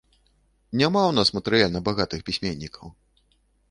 Няма ў нас матэрыяльна багатых пісьменнікаў.